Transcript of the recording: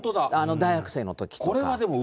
大学生のときとか。